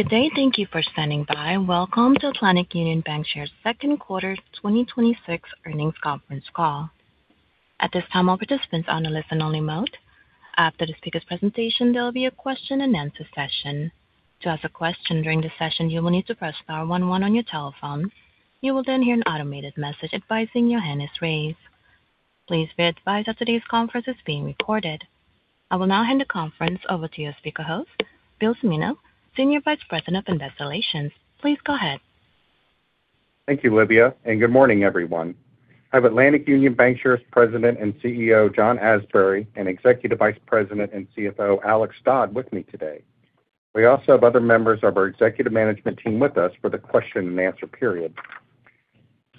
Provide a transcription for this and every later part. Good day. Thank you for standing by. Welcome to Atlantic Union Bankshares' Second Quarter 2026 Earnings Conference Call. At this time, all participants are on a listen-only mode. After the speaker's presentation, there will be a question-and-answer session. To ask a question during the session, you will need to press star one one on your telephones. You will then hear an automated message advising your hand is raised. Please be advised that today's conference is being recorded. I will now hand the conference over to your speaker host, William Cimino, Senior Vice President of Investor Relations. Please go ahead. Thank you, Olivia, and good morning, everyone. I have Atlantic Union Bankshares President and CEO, John Asbury, and Executive Vice President and CFO, Alex Dodd, with me today. We also have other members of our executive management team with us for the question and answer period.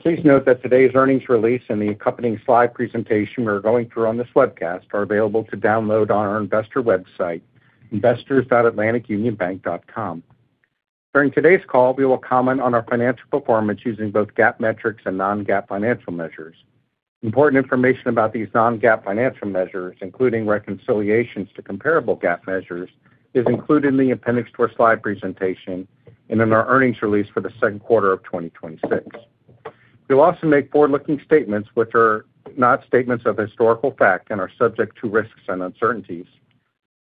Please note that today's earnings release and the accompanying slide presentation we're going through on this webcast are available to download on our investor website, investors.atlanticunionbank.com. During today's call, we will comment on our financial performance using both GAAP metrics and non-GAAP financial measures. Important information about these non-GAAP financial measures, including reconciliations to comparable GAAP measures, is included in the appendix to our slide presentation and in our earnings release for the second quarter of 2026. We'll also make forward-looking statements which are not statements of historical fact and are subject to risks and uncertainties.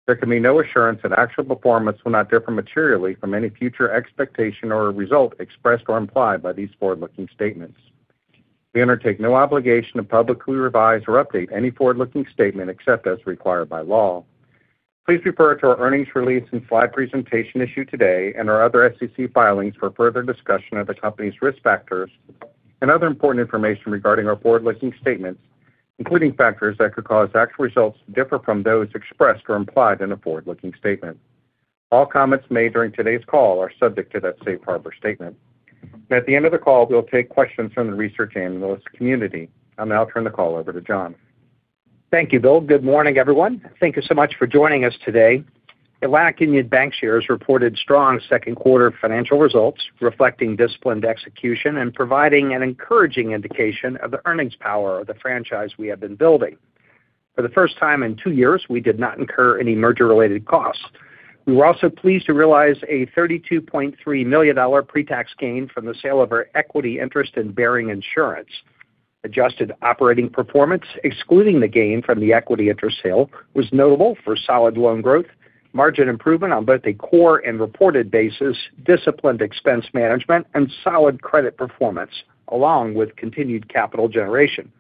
There can be no assurance that actual performance will not differ materially from any future expectation or result expressed or implied by these forward-looking statements. We undertake no obligation to publicly revise or update any forward-looking statement except as required by law. Please refer to our earnings release and slide presentation issued today and our other SEC filings for further discussion of the company's risk factors and other important information regarding our forward-looking statements, including factors that could cause actual results to differ from those expressed or implied in a forward-looking statement. All comments made during today's call are subject to that Safe Harbor statement. At the end of the call, we'll take questions from the research analyst community. I'll now turn the call over to John. Thank you, Bill. Good morning, everyone. Thank you so much for joining us today. Atlantic Union Bankshares reported strong second quarter financial results reflecting disciplined execution and providing an encouraging indication of the earnings power of the franchise we have been building. For the first time in two years, we did not incur any merger-related costs. We were also pleased to realize a $32.3 million pre-tax gain from the sale of our equity interest in Bearing Insurance. Adjusted operating performance, excluding the gain from the equity interest sale, was notable for solid loan growth, margin improvement on both a core and reported basis, disciplined expense management, and solid credit performance, along with continued capital generation.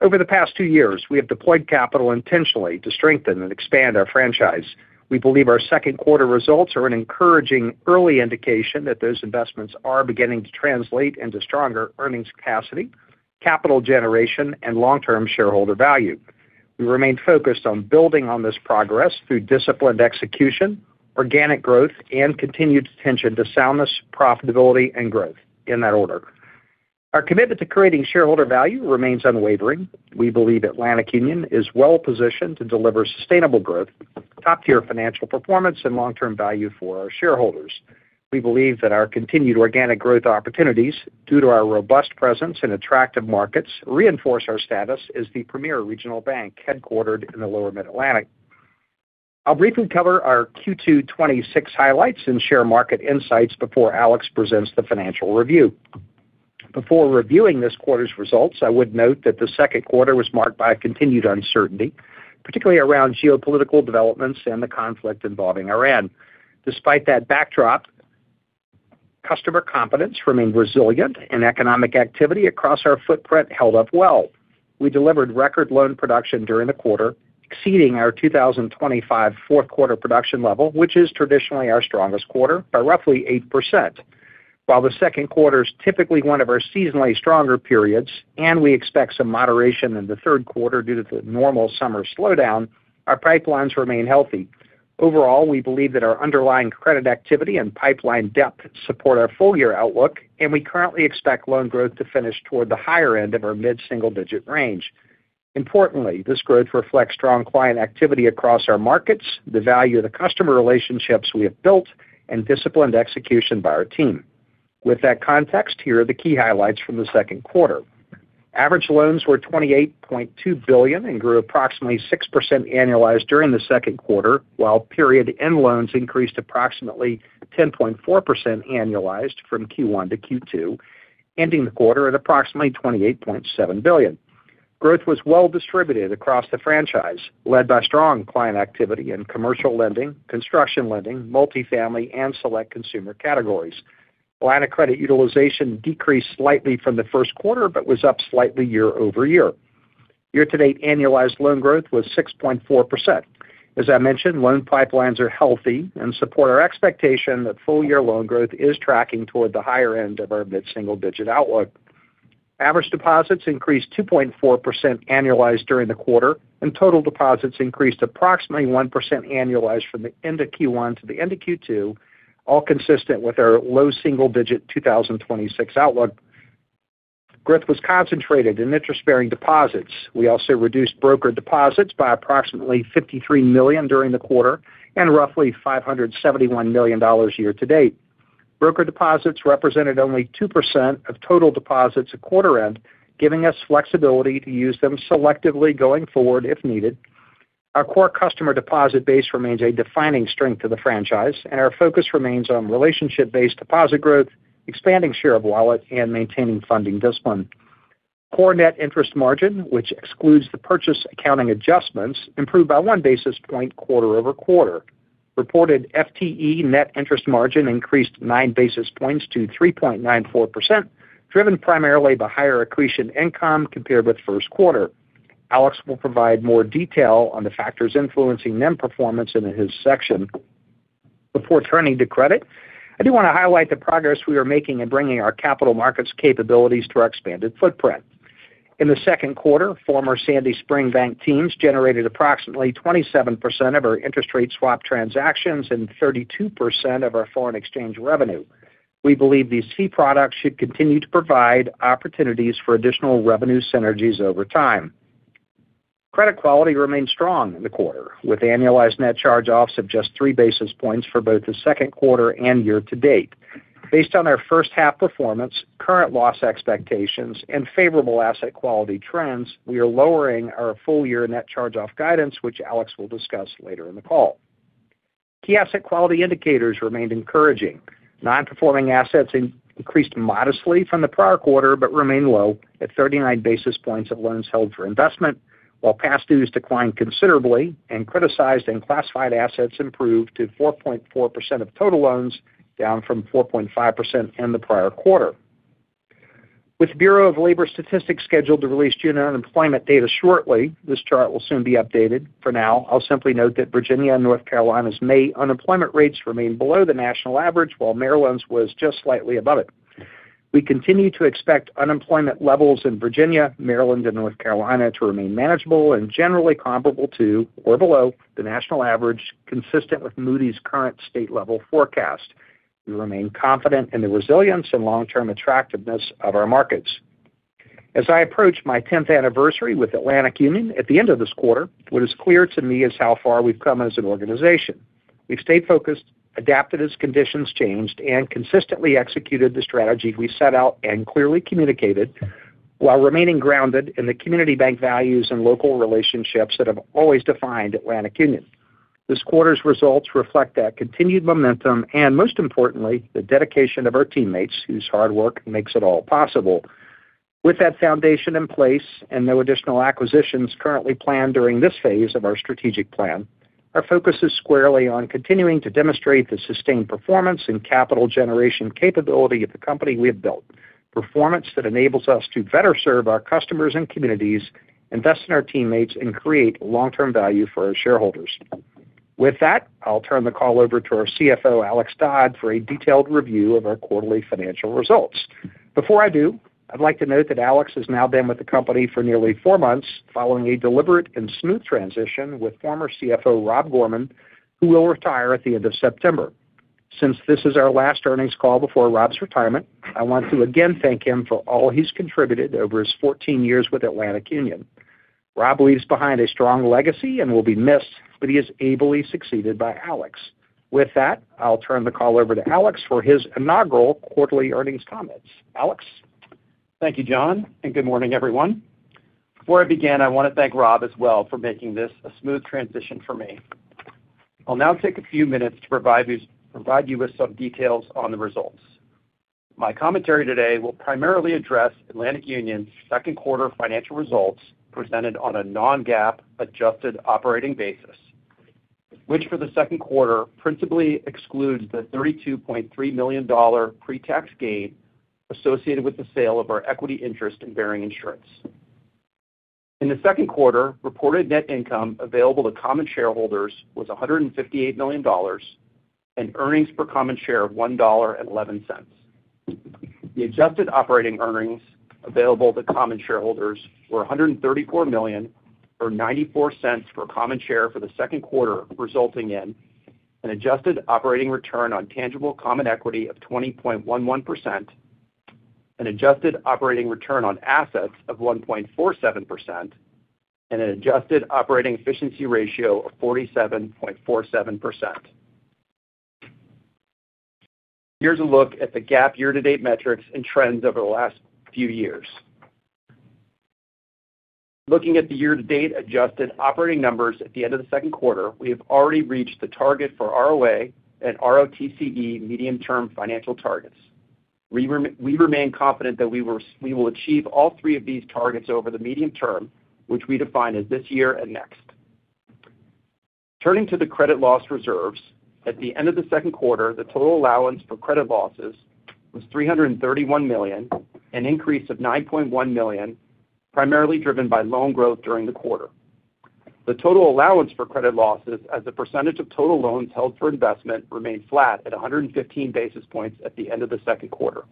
Over the past two years, we have deployed capital intentionally to strengthen and expand our franchise. We believe our second quarter results are an encouraging early indication that those investments are beginning to translate into stronger earnings capacity, capital generation, and long-term shareholder value. We remain focused on building on this progress through disciplined execution, organic growth, and continued attention to soundness, profitability, and growth in that order. Our commitment to creating shareholder value remains unwavering. We believe Atlantic Union is well positioned to deliver sustainable growth, top-tier financial performance, and long-term value for our shareholders. We believe that our continued organic growth opportunities, due to our robust presence in attractive markets, reinforce our status as the premier regional bank headquartered in the lower Mid-Atlantic. I'll briefly cover our Q2 2026 highlights and share market insights before Alex presents the financial review. Before reviewing this quarter's results, I would note that the second quarter was marked by continued uncertainty, particularly around geopolitical developments and the conflict involving Iran. Despite that backdrop, customer confidence remained resilient and economic activity across our footprint held up well. We delivered record loan production during the quarter, exceeding our 2025 fourth quarter production level, which is traditionally our strongest quarter, by roughly 8%. While the second quarter is typically one of our seasonally stronger periods, we expect some moderation in the third quarter due to the normal summer slowdown, our pipelines remain healthy. Overall, we believe that our underlying credit activity and pipeline depth support our full-year outlook, and we currently expect loan growth to finish toward the higher end of our mid-single-digit range. Importantly, this growth reflects strong client activity across our markets, the value of the customer relationships we have built, and disciplined execution by our team. With that context, here are the key highlights from the second quarter. Average loans were $28.2 billion and grew approximately 6% annualized during the second quarter, while period end loans increased approximately 10.4% annualized from Q1 to Q2, ending the quarter at approximately $28.7 billion. Growth was well distributed across the franchise, led by strong client activity in commercial lending, construction lending, multifamily, and select consumer categories. Line of credit utilization decreased slightly from the first quarter but was up slightly year-over-year. Year-to-date annualized loan growth was 6.4%. As I mentioned, loan pipelines are healthy and support our expectation that full-year loan growth is tracking toward the higher end of our mid-single-digit outlook. Average deposits increased 2.4% annualized during the quarter. Total deposits increased approximately 1% annualized from the end of Q1 to the end of Q2, all consistent with our low single-digit 2026 outlook. Growth was concentrated in interest-bearing deposits. We also reduced broker deposits by approximately $53 million during the quarter and roughly $571 million year-to-date. Broker deposits represented only 2% of total deposits at quarter end, giving us flexibility to use them selectively going forward if needed. Our core customer deposit base remains a defining strength of the franchise, and our focus remains on relationship-based deposit growth, expanding share of wallet, and maintaining funding discipline. Core net interest margin, which excludes the purchase accounting adjustments, improved by one basis point quarter-over-quarter. Reported FTE net interest margin increased nine basis points to 3.94%, driven primarily by higher accretion income compared with first quarter. Alex will provide more detail on the factors influencing NIM performance in his section. Before turning to credit, I do want to highlight the progress we are making in bringing our capital markets capabilities to our expanded footprint. In the second quarter, former Sandy Spring Bank teams generated approximately 27% of our interest rate swap transactions and 32% of our foreign exchange revenue. We believe these key products should continue to provide opportunities for additional revenue synergies over time. Credit quality remained strong in the quarter, with annualized net charge-offs of just three basis points for both the second quarter and year to date. Based on our first half performance, current loss expectations, and favorable asset quality trends, we are lowering our full-year net charge-off guidance, which Alex will discuss later in the call. Key asset quality indicators remained encouraging. Non-performing assets increased modestly from the prior quarter but remain low at 39 basis points of loans held for investment, while past dues declined considerably and criticized and classified assets improved to 4.4% of total loans, down from 4.5% in the prior quarter. With Bureau of Labor Statistics scheduled to release June unemployment data shortly, this chart will soon be updated. For now, I'll simply note that Virginia and North Carolina's May unemployment rates remain below the national average, while Maryland's was just slightly above it. We continue to expect unemployment levels in Virginia, Maryland, and North Carolina to remain manageable and generally comparable to or below the national average, consistent with Moody's current state-level forecast. We remain confident in the resilience and long-term attractiveness of our markets. As I approach my 10th anniversary with Atlantic Union at the end of this quarter, what is clear to me is how far we've come as an organization. We've stayed focused, adapted as conditions changed, and consistently executed the strategy we set out and clearly communicated while remaining grounded in the community bank values and local relationships that have always defined Atlantic Union. This quarter's results reflect that continued momentum and, most importantly, the dedication of our teammates whose hard work makes it all possible. With that foundation in place and no additional acquisitions currently planned during this phase of our strategic plan, our focus is squarely on continuing to demonstrate the sustained performance and capital generation capability of the company we have built. Performance that enables us to better serve our customers and communities, invest in our teammates, and create long-term value for our shareholders. With that, I'll turn the call over to our CFO, Alex Dodd, for a detailed review of our quarterly financial results. Before I do, I'd like to note that Alex has now been with the company for nearly four months following a deliberate and smooth transition with former CFO, Rob Gorman, who will retire at the end of September. Since this is our last earnings call before Rob's retirement, I want to again thank him for all he's contributed over his 14 years with Atlantic Union. Rob leaves behind a strong legacy and will be missed, but he is ably succeeded by Alex. With that, I'll turn the call over to Alex for his inaugural quarterly earnings comments. Alex? Thank you, John, and good morning, everyone. Before I begin, I want to thank Rob as well for making this a smooth transition for me. I'll now take a few minutes to provide you with some details on the results. My commentary today will primarily address Atlantic Union's second quarter financial results presented on a non-GAAP adjusted operating basis, which for the second quarter principally excludes the $32.3 million pre-tax gain associated with the sale of our equity interest in Bearing Insurance. In the second quarter, reported net income available to common shareholders was $158 million and earnings per common share of $1.11. The adjusted operating earnings available to common shareholders were $134 million or $0.94 for common share for the second quarter, resulting in an adjusted operating return on tangible common equity of 20.11%, an adjusted operating return on assets of 1.47%, and an adjusted operating efficiency ratio of 47.47%. Here's a look at the GAAP year-to-date metrics and trends over the last few years. Looking at the year-to-date adjusted operating numbers at the end of the second quarter, we have already reached the target for ROA and ROTCE medium-term financial targets. We remain confident that we will achieve all three of these targets over the medium term, which we define as this year and next. Turning to the credit loss reserves. At the end of the second quarter, the total allowance for credit losses was $331 million, an increase of $9.1 million, primarily driven by loan growth during the quarter. The total allowance for credit losses as a percentage of total loans held for investment remained flat at 115 basis points at the end of the second quarter.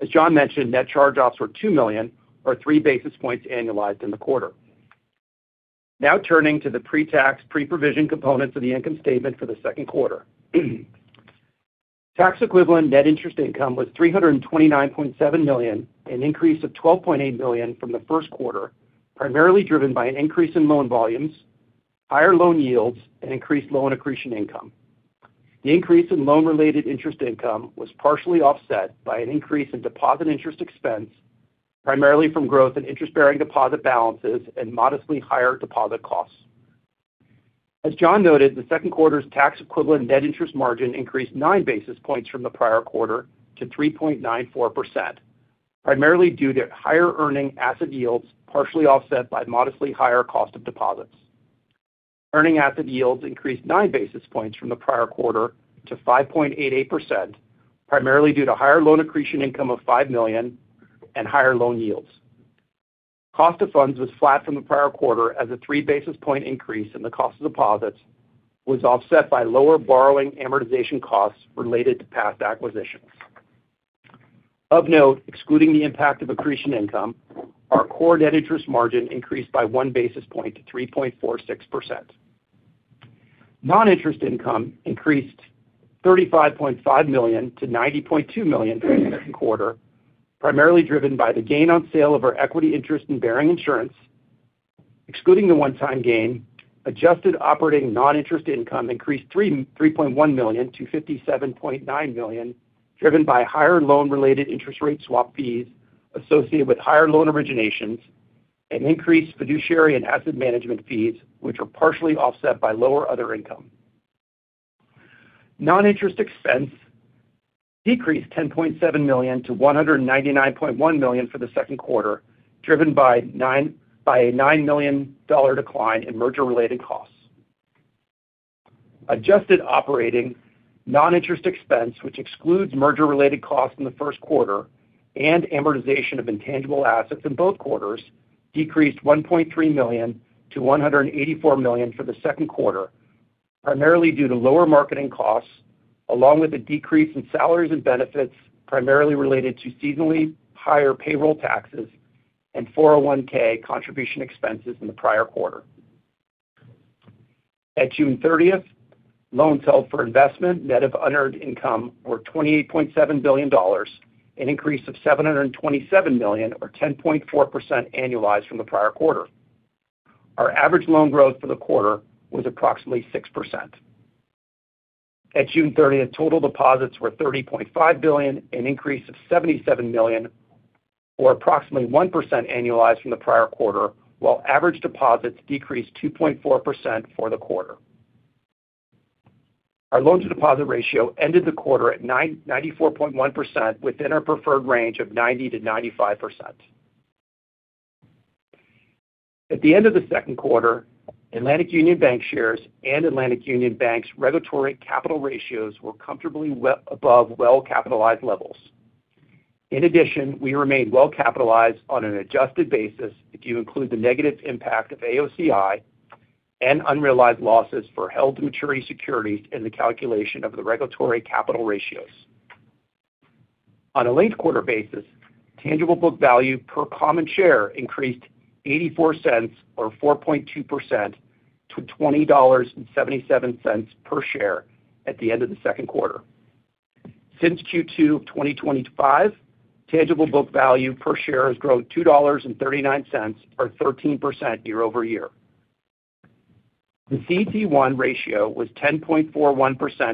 As John mentioned, net charge-offs were $2 million or three basis points annualized in the quarter. Now turning to the pre-tax, pre-provision components of the income statement for the second quarter. Tax equivalent net interest income was $329.7 million, an increase of $12.8 million from the first quarter, primarily driven by an increase in loan volumes, higher loan yields, and increased loan accretion income. The increase in loan-related interest income was partially offset by an increase in deposit interest expense, primarily from growth in interest-bearing deposit balances and modestly higher deposit costs. As John noted, the second quarter's tax equivalent net interest margin increased nine basis points from the prior quarter to 3.94%, primarily due to higher earning asset yields, partially offset by modestly higher cost of deposits. Earning asset yields increased nine basis points from the prior quarter to 5.88%, primarily due to higher loan accretion income of $5 million and higher loan yields. Cost of funds was flat from the prior quarter as a three basis point increase in the cost of deposits was offset by lower borrowing amortization costs related to past acquisitions. Of note, excluding the impact of accretion income, our core net interest margin increased by one basis point to 3.46%. Non-interest income increased $35.5 million to $90.2 million during the second quarter, primarily driven by the gain on sale of our equity interest in Bearing Insurance. Excluding the one-time gain, adjusted operating non-interest income increased $3.1 million to $57.9 million, driven by higher loan-related interest rate swap fees associated with higher loan originations and increased fiduciary and asset management fees, which were partially offset by lower other income. Non-interest expense decreased $10.7 million to $199.1 million for the second quarter, driven by a $9 million decline in merger-related costs. Adjusted operating non-interest expense, which excludes merger-related costs in the first quarter and amortization of intangible assets in both quarters, decreased $1.3 million to $184 million for the second quarter, primarily due to lower marketing costs, along with a decrease in salaries and benefits, primarily related to seasonally higher payroll taxes and 401(k) contribution expenses in the prior quarter. At June 30th, loans held for investment net of unearned income were $28.7 billion, an increase of $727 million or 10.4% annualized from the prior quarter. Our average loan growth for the quarter was approximately 6%. At June 30th, total deposits were $30.5 billion, an increase of $77 million or approximately 1% annualized from the prior quarter, while average deposits decreased 2.4% for the quarter. Our loan-to-deposit ratio ended the quarter at 94.1% within our preferred range of 90%-95%. At the end of the second quarter, Atlantic Union Bankshares and Atlantic Union Bank's regulatory capital ratios were comfortably above well-capitalized levels. In addition, we remain well-capitalized on an adjusted basis if you include the negative impact of AOCI and unrealized losses for held maturity securities in the calculation of the regulatory capital ratios. On a linked-quarter basis, tangible book value per common share increased $0.84 or 4.2% to $20.77 per share at the end of the second quarter. Since Q2 of 2025, tangible book value per share has grown $2.39 or 13% year-over-year. The CET1 ratio was 10.41%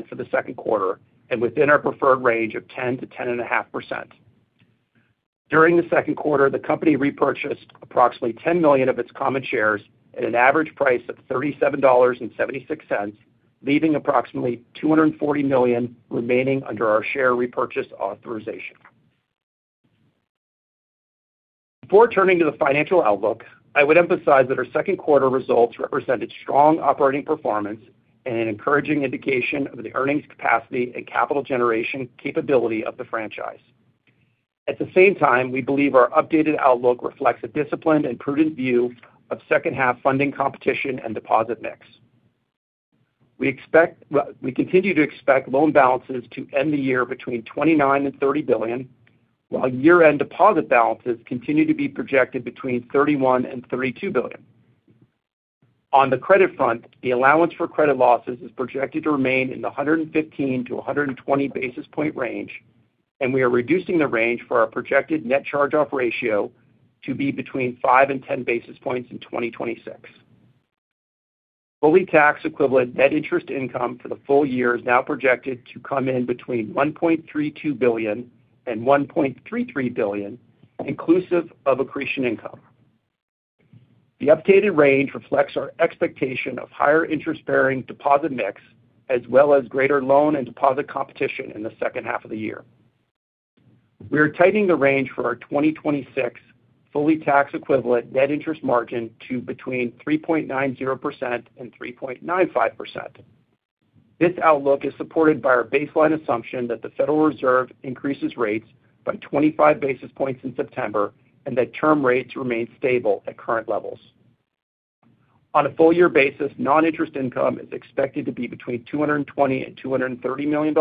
for the second quarter and within our preferred range of 10%-10.5%. During the second quarter, the company repurchased approximately $10 million of its common shares at an average price of $37.76, leaving approximately $240 million remaining under our share repurchase authorization. Before turning to the financial outlook, I would emphasize that our second quarter results represented strong operating performance and an encouraging indication of the earnings capacity and capital generation capability of the franchise. At the same time, we believe our updated outlook reflects a disciplined and prudent view of second half funding competition and deposit mix. We continue to expect loan balances to end the year between $29 billion and $30 billion, while year-end deposit balances continue to be projected between $31 billion and $32 billion. On the credit front, the allowance for credit losses is projected to remain in the 115-120 basis point range, and we are reducing the range for our projected net charge-off ratio to be between five and 10 basis points in 2026. Fully tax equivalent net interest income for the full year is now projected to come in between $1.32 billion and $1.33 billion, inclusive of accretion income. The updated range reflects our expectation of higher interest-bearing deposit mix as well as greater loan and deposit competition in the second half of the year. We are tightening the range for our 2026 fully tax equivalent net interest margin to between 3.90% and 3.95%. This outlook is supported by our baseline assumption that the Federal Reserve increases rates by 25 basis points in September and that term rates remain stable at current levels. On a full year basis, non-interest income is expected to be between $220 million and $230 million,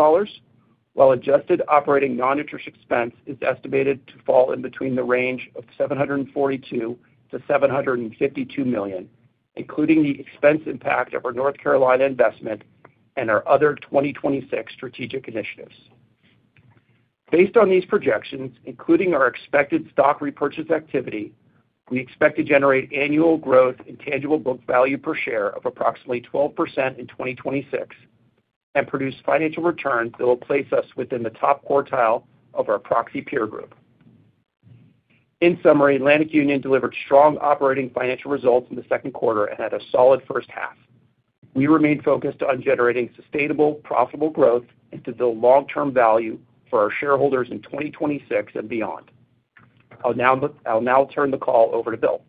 while adjusted operating non-interest expense is estimated to fall in between the range of $742 million-$752 million, including the expense impact of our North Carolina investment and our other 2026 strategic initiatives. Based on these projections, including our expected stock repurchase activity, we expect to generate annual growth in tangible book value per share of approximately 12% in 2026 and produce financial returns that will place us within the top quartile of our proxy peer group. In summary, Atlantic Union delivered strong operating financial results in the second quarter and had a solid first half. We remain focused on generating sustainable, profitable growth and to build long-term value for our shareholders in 2026 and beyond. I'll now turn the call over to Bill.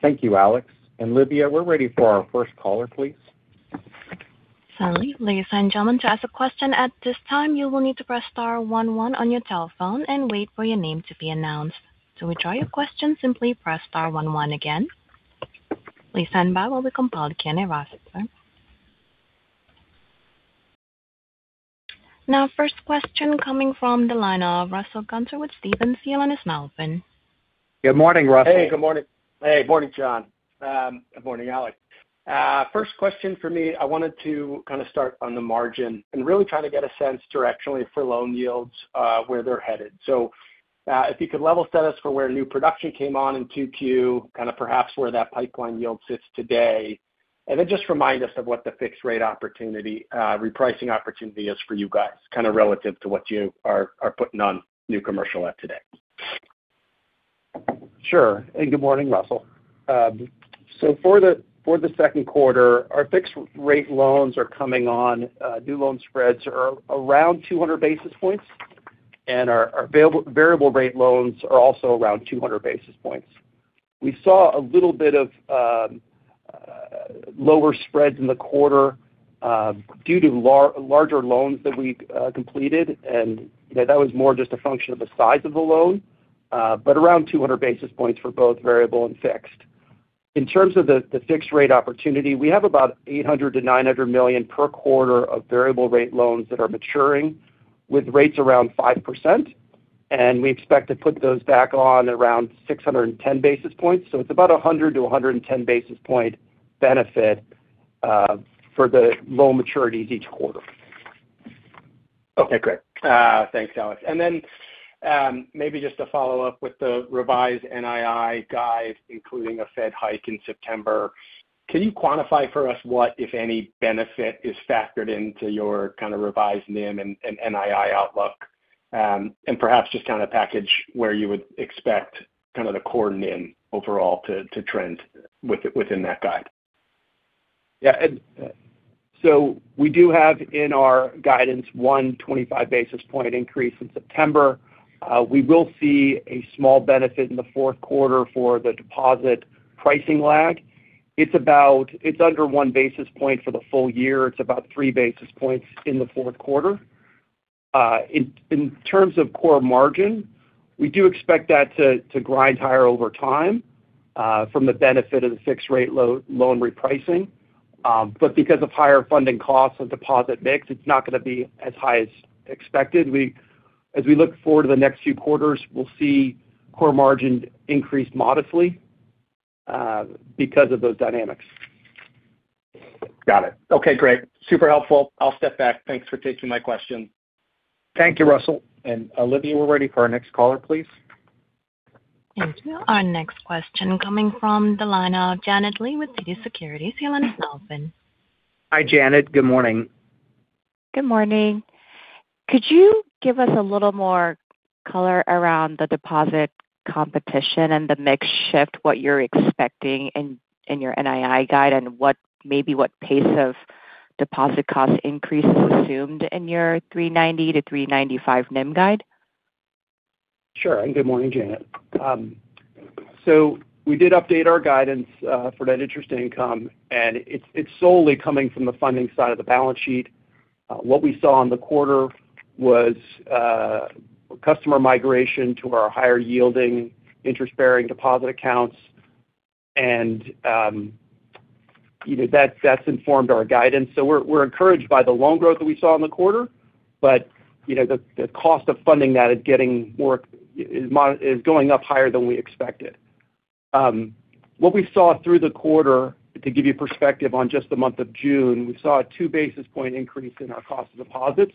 Thank you, Alex. Olivia, we're ready for our first caller, please. Certainly. Ladies and gentlemen, to ask a question at this time, you will need to press star one one on your telephone and wait for your name to be announced. To withdraw your question, simply press star one one again. Please stand by while we compile the queue. Now, first question coming from the line of Russell Gunther with Stephens. Your line is now open. Good morning, Russell. Hey. Good morning. Hey. Morning, John. Good morning, Alex. First question for me, I wanted to kind of start on the margin and really try to get a sense directionally for loan yields, where they're headed. If you could level set us for where new production came on in 2Q, perhaps where that pipeline yield sits today, and then just remind us of what the fixed rate opportunity, repricing opportunity is for you guys, kind of relative to what you are putting on new commercial at today. Sure. Good morning, Russell. For the second quarter, our fixed rate loans are coming on. New loan spreads are around 200 basis points, and our variable rate loans are also around 200 basis points. We saw a little bit of lower spreads in the quarter, due to larger loans that we completed, and that was more just a function of the size of the loan. Around 200 basis points for both variable and fixed. In terms of the fixed rate opportunity, we have about $800 million- $900 million per quarter of variable rate loans that are maturing with rates around 5%, and we expect to put those back on around 610 basis points. It's about 100-110 basis point benefit for the loan maturities each quarter. Okay, great. Thanks, Alex. Maybe just to follow up with the revised NII guide, including a Fed hike in September, can you quantify for us what, if any, benefit is factored into your kind of revised NIM and NII outlook? Perhaps just kind of package where you would expect kind of the core NIM overall to trend within that guide. Yeah. We do have in our guidance 125 basis point increase in September. We will see a small benefit in the fourth quarter for the deposit pricing lag. It's under one basis point for the full year. It's about three basis points in the fourth quarter. In terms of core margin, we do expect that to grind higher over time from the benefit of the fixed rate loan repricing. Because of higher funding costs and deposit mix, it's not going to be as high as expected. As we look forward to the next few quarters, we'll see core margin increase modestly because of those dynamics. Got it. Okay, great. Super helpful. I'll step back. Thanks for taking my question. Thank you, Russell. Olivia, we're ready for our next caller, please. Thank you. Our next question coming from the line of Janet Lee with TD Securities. Your line is now open. Hi, Janet. Good morning. Good morning. Could you give us a little more color around the deposit competition and the mix shift, what you're expecting in your NII guide, and maybe what pace of deposit cost increase is assumed in your 3.90%-3.95% NIM guide? Sure. Good morning, Janet. We did update our guidance for net interest income, and it's solely coming from the funding side of the balance sheet. What we saw in the quarter was customer migration to our higher yielding interest-bearing deposit accounts, and that's informed our guidance. We're encouraged by the loan growth that we saw in the quarter, but the cost of funding that is going up higher than we expected. What we saw through the quarter, to give you perspective on just the month of June, we saw a two basis point increase in our cost of deposits.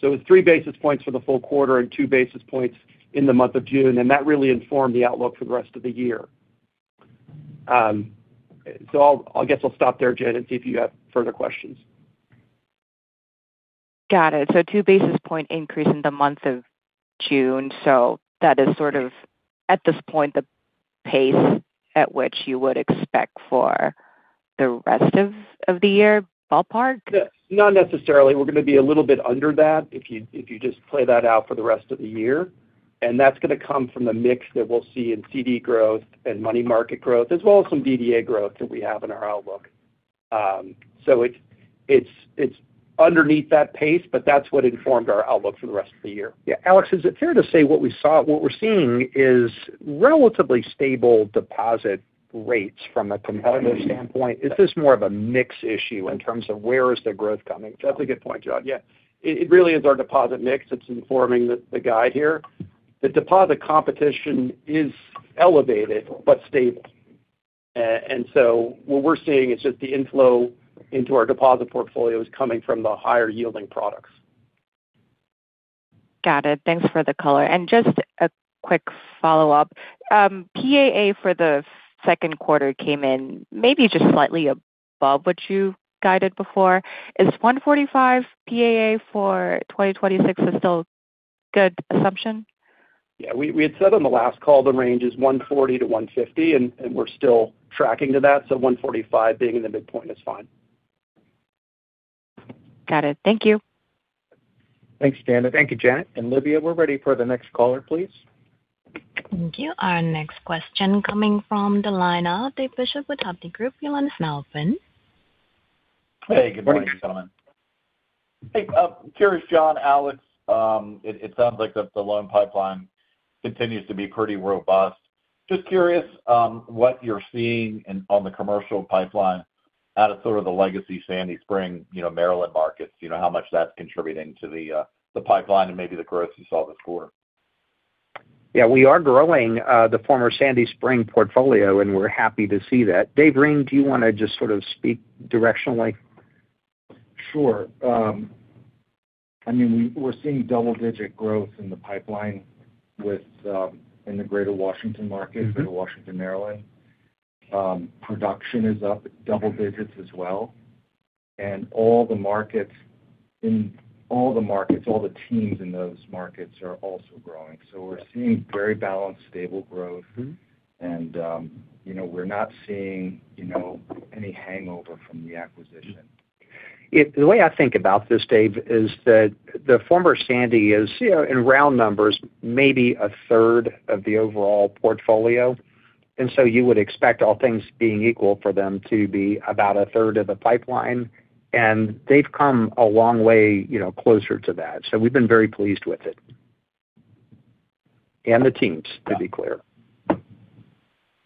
It's three basis points for the full quarter and two basis points in the month of June, and that really informed the outlook for the rest of the year. I guess I'll stop there, Janet, and see if you have further questions. Got it. Two basis point increase in the month of June. That is sort of at this point the pace at which you would expect for the rest of the year ballpark? Not necessarily. We're going to be a little bit under that if you just play that out for the rest of the year. That's going to come from the mix that we'll see in CD growth and money market growth, as well as some DDA growth that we have in our outlook. It's underneath that pace, but that's what informed our outlook for the rest of the year. Yeah. Alex, is it fair to say what we're seeing is relatively stable deposit rates from a competitive standpoint? Is this more of a mix issue in terms of where is the growth coming from? That's a good point, John. Yeah. It really is our deposit mix that's informing the guide here. The deposit competition is elevated but stable. What we're seeing is just the inflow into our deposit portfolio is coming from the higher-yielding products. Got it. Thanks for the color. Just a quick follow-up. PAA for the second quarter came in maybe just slightly above what you guided before. Is 145 PAA for 2026 still a good assumption? Yeah. We had said on the last call the range is 140-150, and we're still tracking to that. 145 being in the midpoint is fine. Got it. Thank you. Thanks, Janet. Thank you, Janet. Olivia, we're ready for the next caller, please. Thank you. Our next question coming from the line of David Bishop with Hovde Group. Your line is now open. Hey, good morning. Good morning. Hey. Curious, John, Alex, it sounds like the loan pipeline continues to be pretty robust. Just curious what you're seeing on the commercial pipeline out of sort of the legacy Sandy Spring Maryland markets. How much that's contributing to the pipeline and maybe the growth you saw this quarter? Yeah. We are growing the former Sandy Spring portfolio, and we're happy to see that. David Ring, do you want to just sort of speak directionally? Sure. We're seeing double-digit growth in the pipeline in the greater Washington market- Greater Washington, Maryland. Production is up double digits as well. All the teams in those markets are also growing. We're seeing very balanced, stable growth. We're not seeing any hangover from the acquisition. The way I think about this, Dave, is that the former Sandy is, in round numbers, maybe a third of the overall portfolio. You would expect all things being equal for them to be about a third of the pipeline. They've come a long way closer to that. We've been very pleased with it. The teams, to be clear.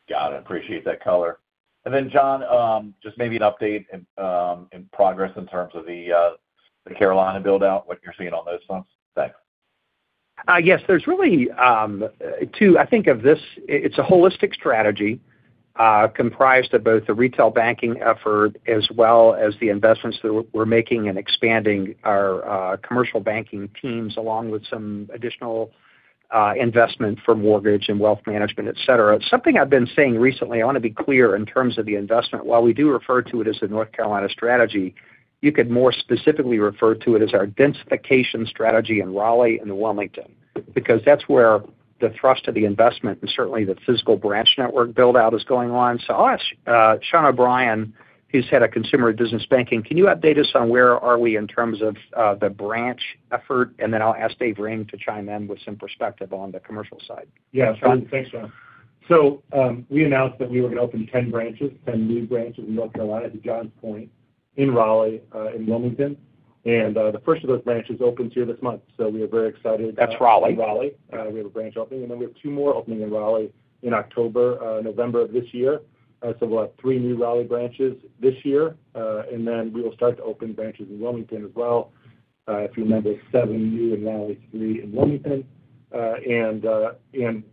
Got it. Appreciate that color. Then John, just maybe an update in progress in terms of the Carolina build-out, what you're seeing on those fronts. Thanks. I think of this, it's a holistic strategy comprised of both the retail banking effort as well as the investments that we're making in expanding our commercial banking teams, along with some additional investment for mortgage and wealth management, et cetera. Something I've been saying recently, I want to be clear in terms of the investment. While we do refer to it as the North Carolina strategy, you could more specifically refer to it as our densification strategy in Raleigh and Wilmington because that's where the thrust of the investment and certainly the physical branch network build-out is going on. I'll ask Shawn O'Brien, who's head of consumer and business banking, can you update us on where are we in terms of the branch effort? I'll ask David Ring to chime in with some perspective on the commercial side. Yeah. Thanks, John. We announced that we were going to open 10 branches, 10 new branches in North Carolina, to John's point, in Raleigh, in Wilmington. The first of those branches opens here this month. We are very excited. That's Raleigh. Raleigh. We have a branch opening, we have two more opening in Raleigh in October, November of this year. We'll have three new Raleigh branches this year. We will start to open branches in Wilmington as well. If you remember, seven new in Raleigh, three in Wilmington.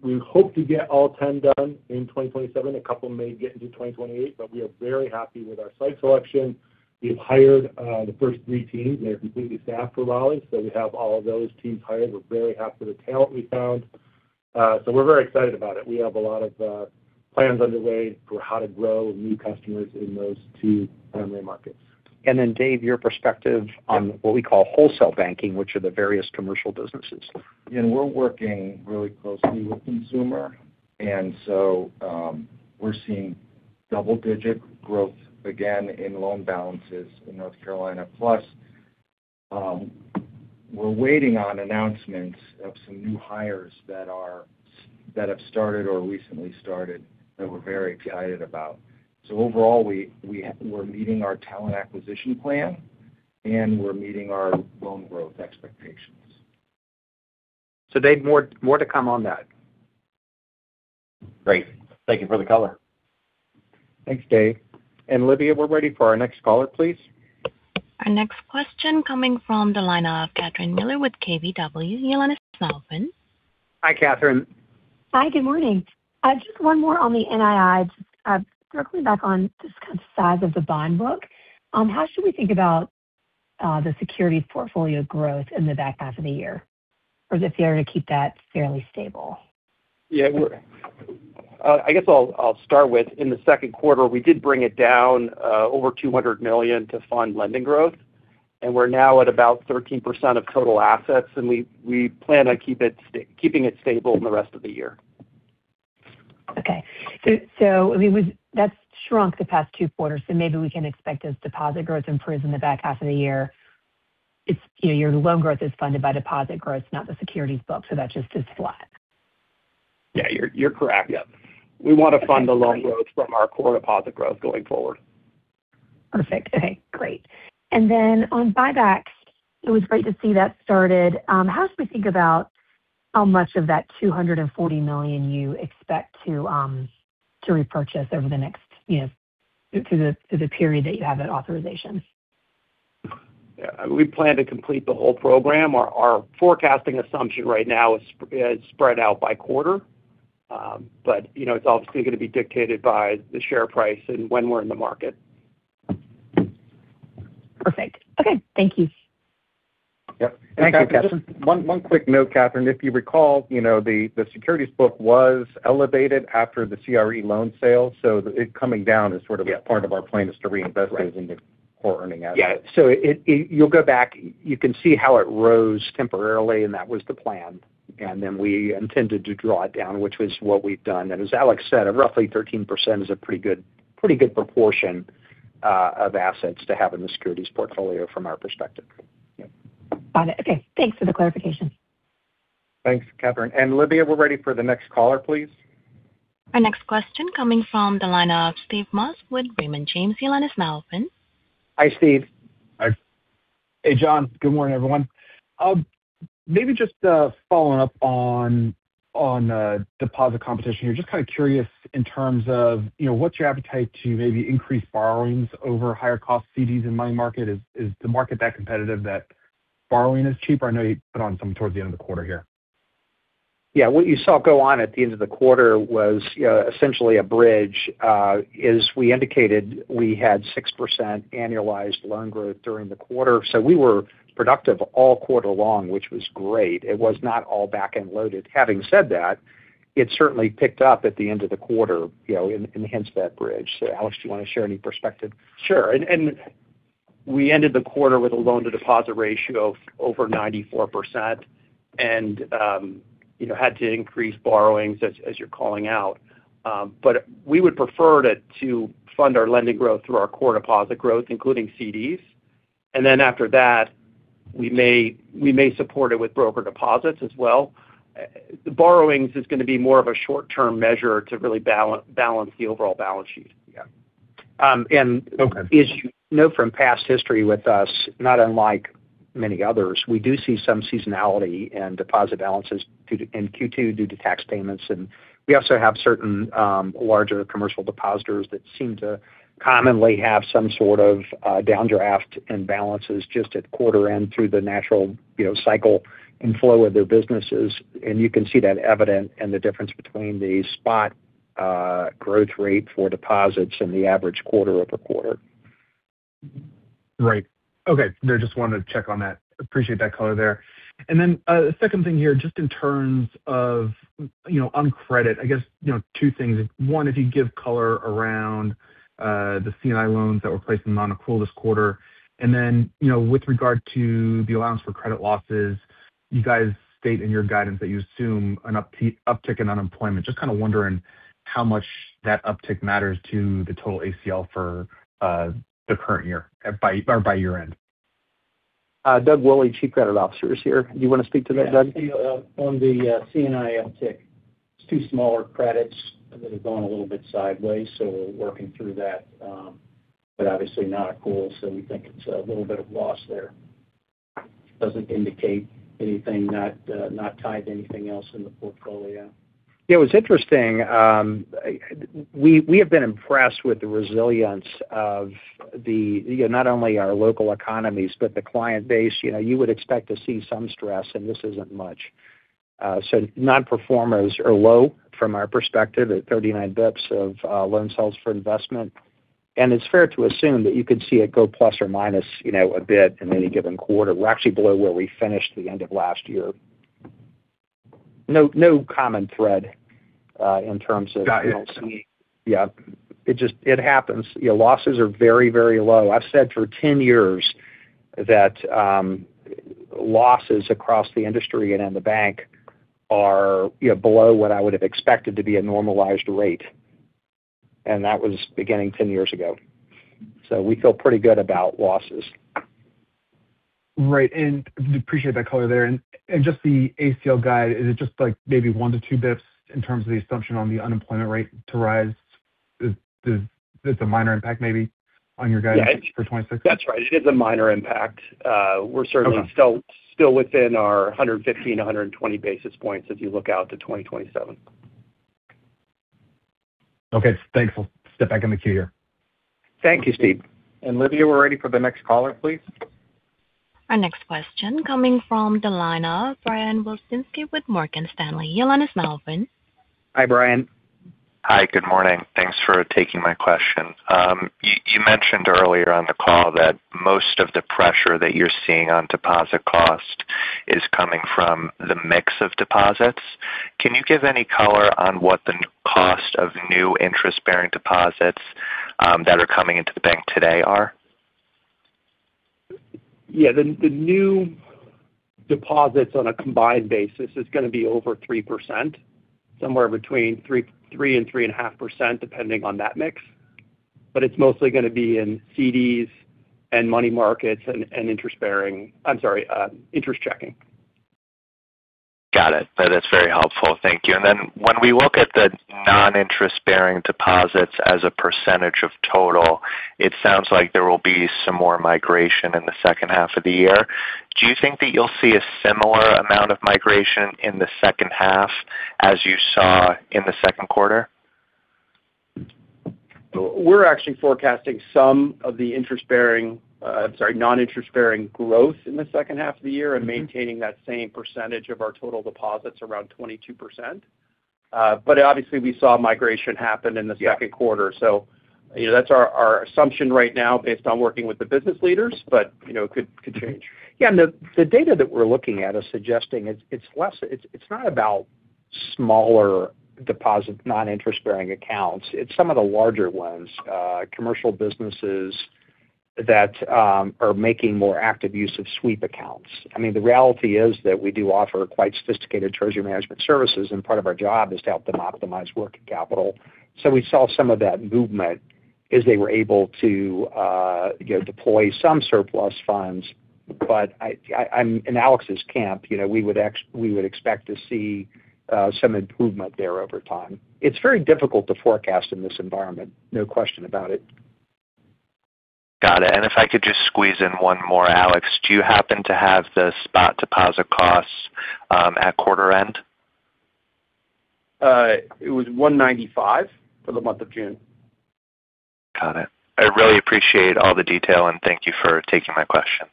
We hope to get all 10 done in 2027. A couple may get into 2028, but we are very happy with our site selection. We have hired the first three teams, and they're completely staffed for Raleigh. We have all of those teams hired. We're very happy with the talent we found. We're very excited about it. We have a lot of plans underway for how to grow new customers in those two primary markets. Then Dave, your perspective on what we call wholesale banking, which are the various commercial businesses. We're working really closely with consumer. We're seeing double-digit growth again in loan balances in North Carolina. Plus, we're waiting on announcements of some new hires that have started or recently started that we're very excited about. Overall, we're meeting our talent acquisition plan, and we're meeting our loan growth expectations. Dave, more to come on that. Great. Thank you for the color. Thanks, Dave. Olivia, we're ready for our next caller, please. Our next question coming from the line of Catherine Mealor with KBW. Your line is now open. Hi, Catherine. Hi, good morning. Just one more on the NII. Just circling back on the size of the bond book. How should we think about the security portfolio growth in the back half of the year? Or is it fair to keep that fairly stable? Yeah. I guess I'll start with, in the second quarter, we did bring it down over $200 million to fund lending growth. We're now at about 13% of total assets, and we plan on keeping it stable in the rest of the year. Okay. That's shrunk the past two quarters, so maybe we can expect as deposit growth improves in the back half of the year, your loan growth is funded by deposit growth, not the securities book. That just is flat. Yeah, you're correct. Yep. We want to fund the loan growth from our core deposit growth going forward. Perfect. Okay, great. On buybacks, it was great to see that started. How should we think about how much of that $240 million you expect to repurchase through the period that you have that authorization? Yeah. We plan to complete the whole program. Our forecasting assumption right now is spread out by quarter. It's obviously going to be dictated by the share price and when we're in the market. Perfect. Okay. Thank you. Yep. Thank you, Catherine. One quick note, Catherine. If you recall, the securities book was elevated after the CRE loan sale. It coming down is sort of part of our plan, is to reinvest those into core earning assets. Yeah. You'll go back, you can see how it rose temporarily, and that was the plan. We intended to draw it down, which is what we've done. As Alex said, roughly 13% is a pretty good proportion of assets to have in the securities portfolio from our perspective. Got it. Okay, thanks for the clarification. Thanks, Catherine. Olivia, we're ready for the next caller, please. Our next question coming from the line of Steve Moss with Raymond James. Your line is now open. Hi, Steve. Hi. Hey, John. Good morning, everyone. Maybe just following up on deposit competition here. Just kind of curious in terms of what's your appetite to maybe increase borrowings over higher cost CDs and money market. Is the market that competitive that borrowing is cheaper? I know you put on some towards the end of the quarter here. Yeah. What you saw go on at the end of the quarter was essentially a bridge. As we indicated, we had 6% annualized loan growth during the quarter. We were productive all quarter long, which was great. It was not all back-end loaded. Having said that, it certainly picked up at the end of the quarter, and hence that bridge. Alex, do you want to share any perspective? Sure. We ended the quarter with a loan-to-deposit ratio of over 94% and had to increase borrowings as you're calling out. We would prefer to fund our lending growth through our core deposit growth, including CDs. After that, we may support it with broker deposits as well. The borrowings is going to be more of a short-term measure to really balance the overall balance sheet. Yeah. As you know from past history with us, not unlike many others, we do see some seasonality in deposit balances in Q2 due to tax payments, and we also have certain larger commercial depositors that seem to commonly have some sort of downdraft in balances just at quarter end through the natural cycle and flow of their businesses. You can see that evident in the difference between the spot growth rate for deposits and the average quarter-over-quarter. Right. Okay. No, just wanted to check on that. Appreciate that color there. A second thing here, just in terms of on credit, I guess two things. One, if you'd give color around the C&I loans that were placed non-accrual this quarter. With regard to the allowance for credit losses, you guys state in your guidance that you assume an uptick in unemployment. Just kind of wondering how much that uptick matters to the total ACL for the current year by year-end. Yeah. Doug Woolley, Chief Credit Officer, is here. Do you want to speak to that, Doug? Yeah. On the C&I uptick, it's two smaller credits that have gone a little bit sideways, so we're working through that. Obviously non-accrual, so we think it's a little bit of loss there. Doesn't indicate anything not tied to anything else in the portfolio. Yeah, what's interesting, we have been impressed with the resilience of not only our local economies, but the client base. You would expect to see some stress, and this isn't much. Non-performers are low from our perspective at 39 basis points of loan sales for investment. It's fair to assume that you could see it go plus or minus a bit in any given quarter. We're actually below where we finished the end of last year. Got you. Yeah. It happens. Losses are very, very low. I've said for 10 years that losses across the industry and in the bank are below what I would have expected to be a normalized rate. That was beginning 10 years ago. We feel pretty good about losses. Right. Appreciate that color there. Just the ACL guide, is it just like maybe one to two bps in terms of the assumption on the unemployment rate to rise? Is this a minor impact maybe on your guidance for 2026? That's right. It is a minor impact. We're certainly still within our 115-120 basis points if you look out to 2027. Okay. Thanks. I'll step back in the queue here. Thank you, Steve. Olivia, we're ready for the next caller, please. Our next question coming from the line of Brian Wilczynski with Morgan Stanley. Your line is now open. Hi, Brian. Hi. Good morning. Thanks for taking my question. You mentioned earlier on the call that most of the pressure that you're seeing on deposit cost is coming from the mix of deposits. Can you give any color on what the cost of new interest-bearing deposits that are coming into the bank today are? Yeah. The new deposits on a combined basis is going to be over 3%, somewhere between 3% and 3.5%, depending on that mix. It's mostly going to be in CDs and money markets and interest checking. Got it. That is very helpful. Thank you. When we look at the non-interest-bearing deposits as a percentage of total, it sounds like there will be some more migration in the second half of the year. Do you think that you'll see a similar amount of migration in the second half as you saw in the second quarter? We're actually forecasting some of the non-interest-bearing growth in the second half of the year and maintaining that same percentage of our total deposits around 22%. Obviously, we saw migration happen in the second quarter. That's our assumption right now based on working with the business leaders, but it could change. Yeah. The data that we're looking at is suggesting it's not about smaller deposit non-interest-bearing accounts. It's some of the larger ones, commercial businesses that are making more active use of sweep accounts. The reality is that we do offer quite sophisticated treasury management services, and part of our job is to help them optimize working capital. We saw some of that movement as they were able to deploy some surplus funds. I'm in Alex's camp. We would expect to see some improvement there over time. It's very difficult to forecast in this environment, no question about it. Got it. If I could just squeeze in one more. Alex, do you happen to have the spot deposit costs at quarter end? It was 195 for the month of June. Got it. I really appreciate all the detail, thank you for taking my questions.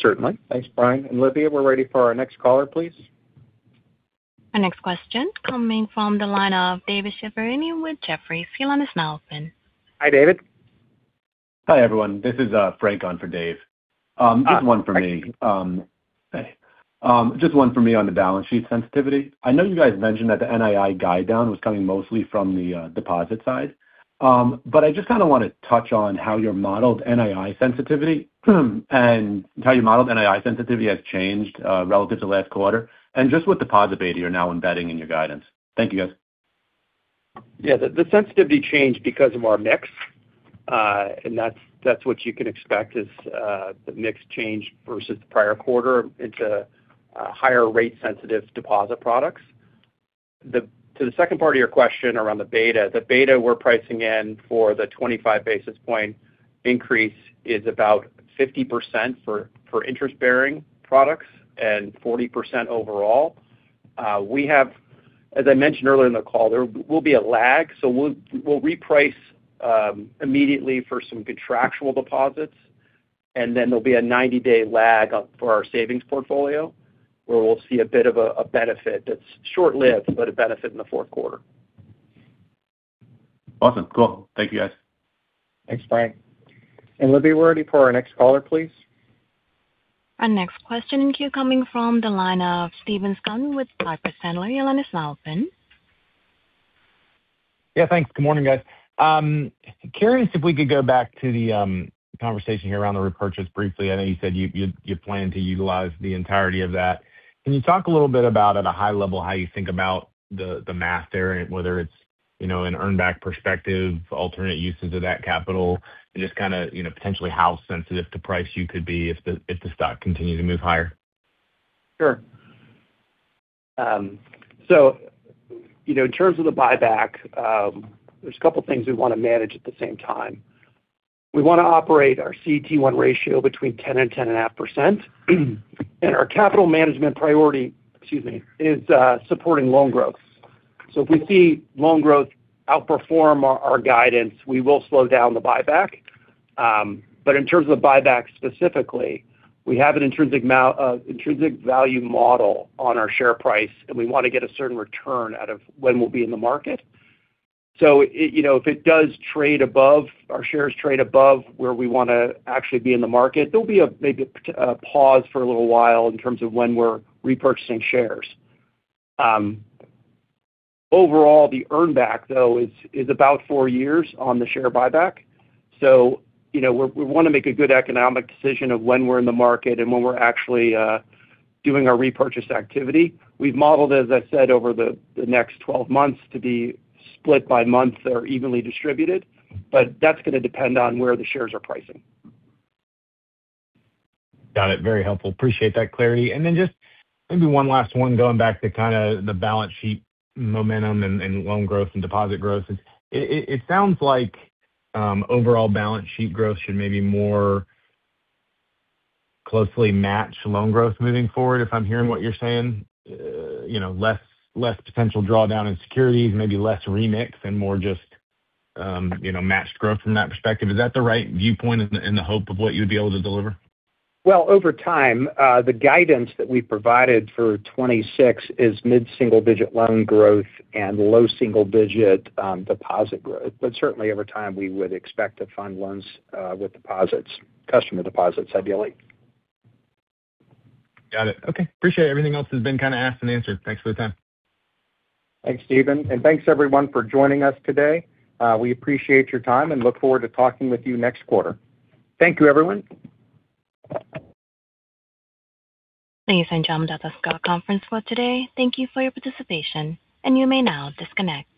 Certainly. Thanks, Brian. Olivia, we're ready for our next caller, please. Our next question coming from the line of David Chiaverini with Jefferies. Your line is now open. Hi, David. Hi, everyone. This is Frank on for Dave. Just one for me. Hi. Hey. Just one for me on the balance sheet sensitivity. I know you guys mentioned that the NII guide down was coming mostly from the deposit side. I just kind of want to touch on how your modeled NII sensitivity has changed relative to last quarter and just what deposit beta you're now embedding in your guidance. Thank you, guys. Yeah. The sensitivity changed because of our mix. That's what you can expect is the mix change versus the prior quarter into higher rate sensitive deposit products. To the second part of your question around the beta, the beta we're pricing in for the 25 basis point increase is about 50% for interest-bearing products and 40% overall. As I mentioned earlier in the call, there will be a lag. We'll reprice immediately for some contractual deposits, and then there'll be a 90-day lag for our savings portfolio, where we'll see a bit of a benefit that's short-lived, but a benefit in the fourth quarter. Awesome. Cool. Thank you, guys. Thanks, Frank. Olivia, we're ready for our next caller, please. Our next question in queue coming from the line of Stephen Scouten with Piper Sandler. Your line is now open. Yeah, thanks. Good morning, guys. Curious if we could go back to the conversation here around the repurchase briefly. I know you said you plan to utilize the entirety of that. Can you talk a little bit about, at a high level, how you think about the math there, and whether it's an earn back perspective, alternate uses of that capital, and just kind of potentially how sensitive to price you could be if the stock continues to move higher? Sure. In terms of the buyback, there's a couple things we want to manage at the same time. We want to operate our CET1 ratio between 10% and 10.5%, our capital management priority, excuse me, is supporting loan growth. If we see loan growth outperform our guidance, we will slow down the buyback. In terms of buyback specifically, we have an intrinsic value model on our share price, we want to get a certain return out of when we'll be in the market. If it does trade above, our shares trade above where we want to actually be in the market, there'll be maybe a pause for a little while in terms of when we're repurchasing shares. Overall, the earn back, though, is about four years on the share buyback. We want to make a good economic decision of when we're in the market and when we're actually doing our repurchase activity. We've modeled, as I said, over the next 12 months to be split by months that are evenly distributed. That's going to depend on where the shares are pricing. Got it. Very helpful. Appreciate that clarity. Then just maybe one last one going back to kind of the balance sheet momentum and loan growth and deposit growth. It sounds like overall balance sheet growth should maybe more closely match loan growth moving forward, if I'm hearing what you're saying. Less potential drawdown in securities, maybe less remix and more just matched growth from that perspective. Is that the right viewpoint in the hope of what you'd be able to deliver? Well, over time, the guidance that we've provided for 2026 is mid-single-digit loan growth and low single-digit deposit growth. Certainly over time, we would expect to fund loans with deposits, customer deposits, ideally. Got it. Okay. Appreciate it. Everything else has been kind of asked and answered. Thanks for the time. Thanks, Stephen. Thanks everyone for joining us today. We appreciate your time and look forward to talking with you next quarter. Thank you, everyone. Thank you ladies and gentlemen this concludes the conference for today. Thank you for your participation, and you may now disconnect.